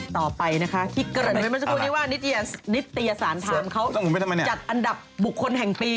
ต่อไปนะคะที่เกิดไว้มันจะพูดว่านิตยาศาลธรรมเขาจัดอันดับบุคคลแห่งปี